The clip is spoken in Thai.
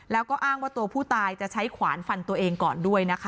แล้วก็อ้างว่าตัวผู้ตายจะใช้ขวานฟันตัวเองก่อนด้วยนะคะ